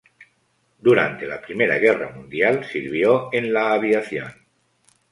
Durante la Primera Guerra Mundial, sirvió en la aviación.